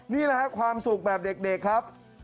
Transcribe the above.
นี่ค่ะความสุขแบบเด็กครับ